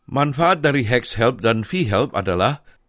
manfaat dari hex help dan v help adalah